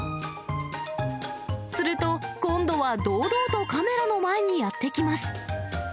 すると、今度は堂々とカメラの前にやって来ます。